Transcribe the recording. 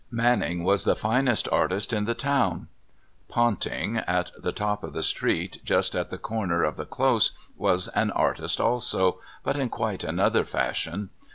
Manning was the finest artist in the town. Ponting, at the top of the street just at the corner of the Close, was an artist too, but in quite another fashion.